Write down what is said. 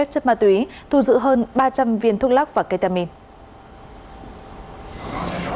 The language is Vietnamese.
phép chất ma túy thu giữ hơn ba trăm linh viên thuốc lắc và ketamine